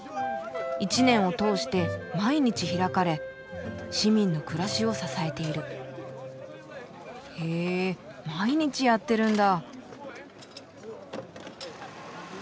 一年を通して毎日開かれ市民の暮らしを支えている」。へ毎日やってるんだ。